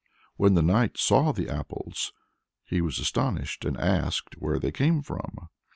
When the knight saw the apples he was astonished, and asked where they came from.